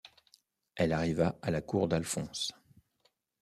Elle arriva à la cour d’Alphonse.